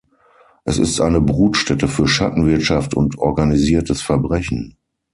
Es ist eine Brutstätte für Schattenwirtschaft und organisiertes Verbrechen.